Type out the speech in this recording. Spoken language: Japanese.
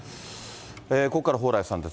ここからは蓬莱さんです。